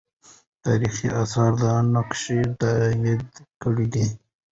تاریخي آثار دا نقش تایید کړی وو.